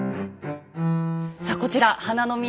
さあこちら華の都